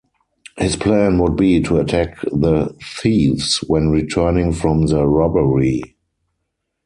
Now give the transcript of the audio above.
His plan would be to attack the thieves when returning from the robbery.